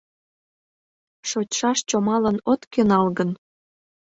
Шочшаш чомалан от кӧнал гын